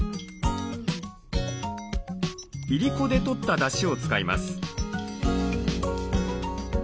いりこでとっただしを使います。